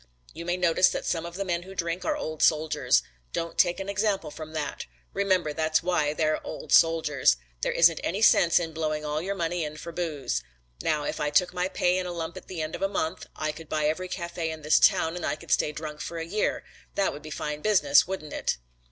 You may notice that some of the men who drink are old soldiers. Don't take an example from that. Remember that's why they're old soldiers. There isn't any sense in blowing all your money in for booze. Now if I took my pay in a lump at the end of a month I could buy every café in this town and I could stay drunk for a year. That would be fine business, wouldn't it?"